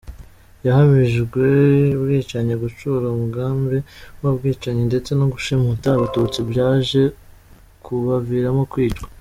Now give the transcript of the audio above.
Yahamijwe ubwicanyi, gucura umugambi w’ubwicanyi ndetse no gushimuta Abatutsi byaje kubaviramo kwicwa.